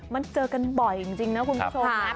มันเจอกันบ่อยจริงนะคุณผู้ชมนะ